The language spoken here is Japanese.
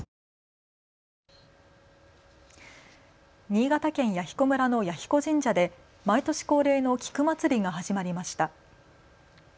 新潟県弥彦村の彌彦神社で毎年恒例の菊まつりが始まりました。